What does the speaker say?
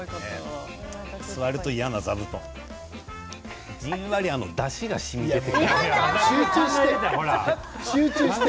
座ると嫌な座布団座るとじんわり、だしがしみこむ。